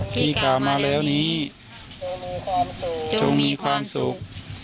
ที่กล่าวมาแล้วนี้จงมีความสุข